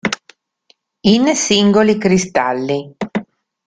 In singoli cristalli.